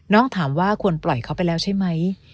ถามว่าควรปล่อยเขาไปแล้วใช่ไหม